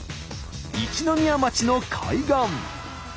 一宮町の海岸。